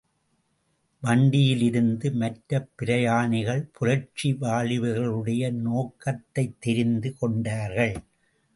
வண்டியிலிருந்த மற்றப் பிரயாணிகள் புரட்சி வாலிபர்களுடைய நோக்கத் தைத்தெரிந்து கொண்டார்கள்.